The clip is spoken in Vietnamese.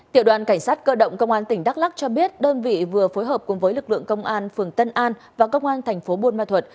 tiểu đoàn cảnh sát cơ động công an tỉnh đắk lắc cho biết đơn vị vừa phối hợp cùng với lực lượng công an phường tân an và công an thành phố buôn ma thuật